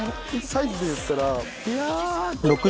サイズでいったら。